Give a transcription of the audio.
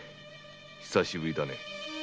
久しぶりだね。